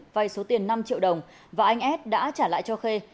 vay số tiền năm triệu đồng và anh ad đã trả lại cho khê